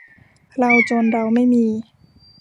เลาจน เลาไม่มี